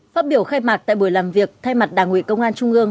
phát biểu khai mạc tại buổi làm việc thay mặt đảng ủy công an trung ương